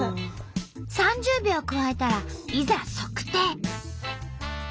３０秒くわえたらいざ測定！